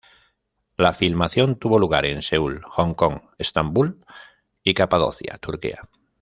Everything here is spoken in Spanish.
La filmación tuvo lugar en Seúl, Hong Kong, Estambul y Capadocia, Turquía.